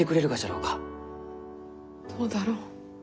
どうだろう。